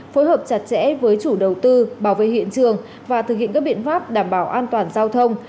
phối hợp chặt chẽ với chủ đầu tư bảo vệ hiện trường và thực hiện các biện pháp đảm bảo an toàn giao thông